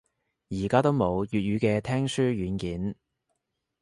而家都冇粵語嘅聽書軟件